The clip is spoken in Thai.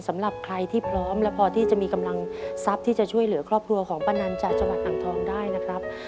สำหรับใครที่พร้อมและพอที่จะมีกำลังทรัพย์ที่จะช่วยเหลือครอบครัวของป้านันจากจังหวัดอ่างทองได้นะครับ